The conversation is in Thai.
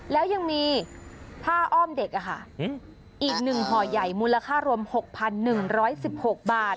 แล้วยังมีผ้าอ้อมเด็กอีก๑ห่อใหญ่มูลค่ารวม๖๑๑๖บาท